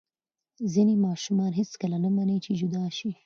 ځینې ماشومان هېڅکله نه مني چې جدا شي.